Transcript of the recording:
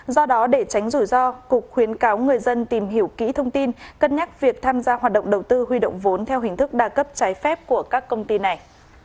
do đó để tránh rủi ro cục khuyến cáo người dân tìm hiểu kỹ thông tin cân nhắc việc tham gia hoạt động đầu tư huy động vốn theo hình thức đa cấp trái phép của các công ty này